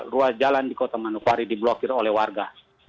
ruas jalan di kota manufari diblokir oleh warga